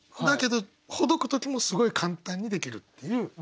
だけどほどく時もすごい簡単にできるっていう。